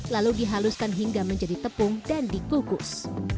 lalu dihaluskan hingga menjadi tepung dan dikukus